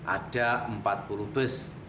ada empat puluh bus